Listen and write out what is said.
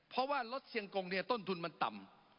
เพราะว่ารถเซียงกงเนี่ยต้นทุนมันต่ำ